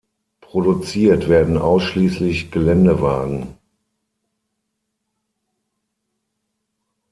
Produziert werden ausschließlich Geländewagen.